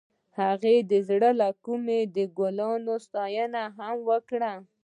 هغې د زړه له کومې د ګلونه ستاینه هم وکړه.